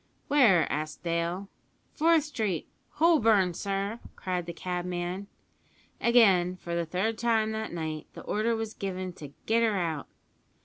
"Where?" asked Dale. "Forth Street, Holborn, sir!" cried the cabman. Again, for the third time that night, the order was given to "get her out."